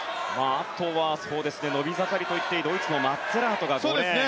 あとは伸び盛りと言っていいドイツのマッツェラートが５レーン。